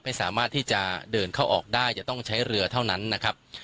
ไม่สามารถที่จะเดินเข้าออกได้จะต้องใช้เรือเท่านั้นนะครับ